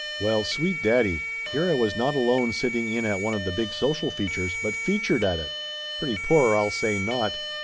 Well, sweet daddy, here I was not alone sitting in at one of the big social features, but featured at it! Pretty poor, I'll say not!